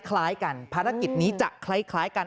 คล้ายกันภารกิจนี้จะคล้ายกัน